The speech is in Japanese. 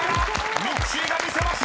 ［ミッチーが魅せました！］